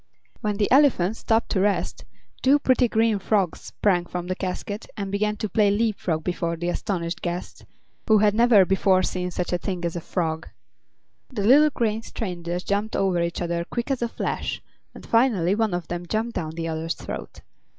When the elephant stopped to rest, two pretty Green Frogs sprang from the casket and began to play leapfrog before the astonished guests, who had never before seen such a thing as a frog. The little green strangers jumped over each other quick as a flash, and finally one of them jumped down the other's throat.